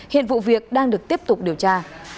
hiện vụ việc đang được tiếp tục điều tra